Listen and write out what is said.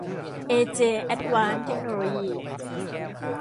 เอเจ แอดวานซ์ เทคโนโลยี